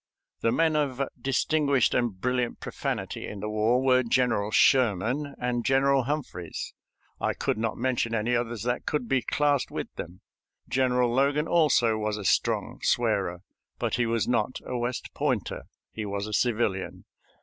The men of distinguished and brilliant profanity in the war were General Sherman and General Humphreys I could not mention any others that could be classed with them. General Logan also was a strong swearer, but he was not a West Pointer: he was a civilian.